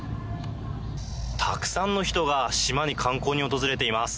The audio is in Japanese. たくさんの人が島に観光に訪れています。